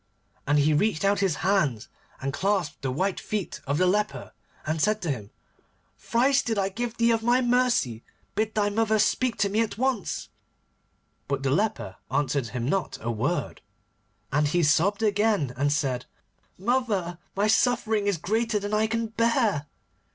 And he reached out his hands, and clasped the white feet of the leper, and said to him: 'Thrice did I give thee of my mercy. Bid my mother speak to me once.' But the leper answered him not a word. And he sobbed again and said: 'Mother, my suffering is greater than I can bear.